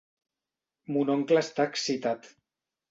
Mon oncle està excitat.